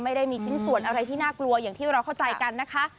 ไม่ได้มีชิ้นส่วนอะไรที่น่ากลัวอย่างที่เราเข้าใจกันนะคะ